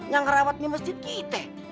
yang ngerawat di masjid kita